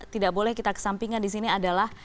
tidak boleh kita kesampingan disini adalah